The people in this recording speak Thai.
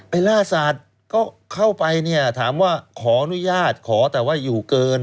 ล่าสัตว์ก็เข้าไปเนี่ยถามว่าขออนุญาตขอแต่ว่าอยู่เกิน